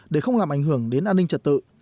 để không làm ảnh hưởng đến an ninh trật tự